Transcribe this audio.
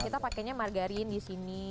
kita pakainya margarin di sini